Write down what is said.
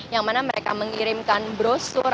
yang mana mereka mengirimkan brosur atau mengirimkan